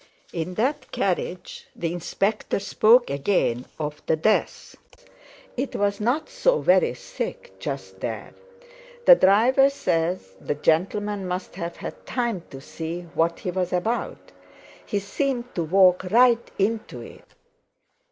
In that carriage the Inspector spoke again of the death: "It was not so very thick—Just there. The driver says the gentleman must have had time to see what he was about, he seemed to walk right into it.